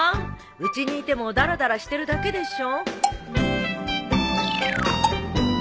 うちにいてもだらだらしてるだけでしょ。